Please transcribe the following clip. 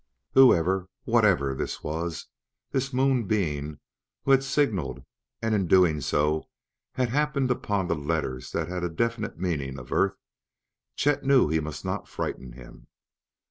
Whoever, whatever this was this Moon being who had signaled and in doing so had happened upon the letters that had a definite meaning of Earth Chet knew he must not frighten him.